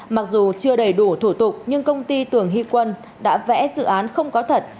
mặc dù chưa đầy đủ thủ tục nhưng công ty tường hy quân đã vẽ dự án không có thật